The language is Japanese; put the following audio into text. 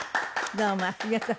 どうもありがとう。